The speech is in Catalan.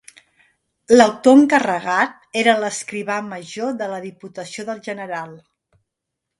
L'autor encarregat era l'escrivà major de la Diputació del General.